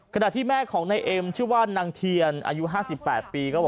ขณะที่แม่ของนายเอ็มชื่อว่านางเทียนอายุ๕๘ปีก็บอก